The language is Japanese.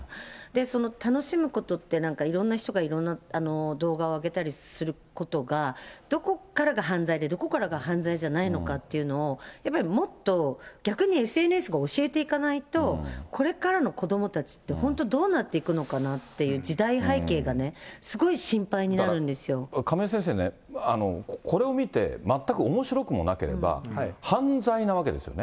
その楽しむことって、なんか、いろんな人がいろんな動画を上げたりすることが、どこからが犯罪で、どこからが犯罪じゃないのかっていうのを、やっぱり、もっと逆にＳＮＳが教えていかないと、これからの子どもたちって、本当、どうなっていくのかなっていう、時代背景がすごい心配になるんでだから、亀井先生ね、これを見て、全くおもしろくもなければ、犯罪なわけですよね。